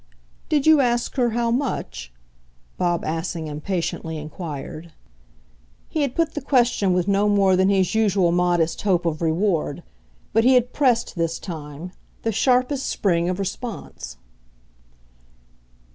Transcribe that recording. "Did you ask her how much?" Bob Assingham patiently inquired. He had put the question with no more than his usual modest hope of reward, but he had pressed, this time, the sharpest spring of response.